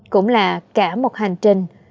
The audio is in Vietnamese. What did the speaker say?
cũng là cả một hành trình